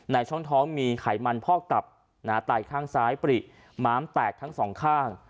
ช่องท้องมีไขมันพอกตับไตข้างซ้ายปริม้ามแตกทั้งสองข้าง